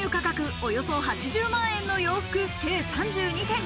およそ８０万円の洋服、計３２点。